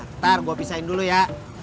ntar gue pisahin dulu ya